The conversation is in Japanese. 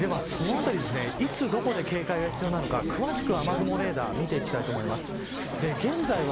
ではそのあたり都度、警戒が必要なのか詳しく雨雲レーダーを見ていきます。